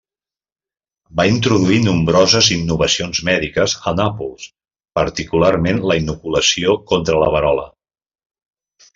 Va introduir nombroses innovacions mèdiques a Nàpols, particularment la inoculació contra la verola.